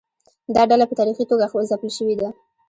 دا ډله په تاریخي توګه ځپل شوې ده.